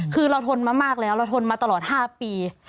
คือเราทนมามากแล้วเราทนมาตลอด๕ปี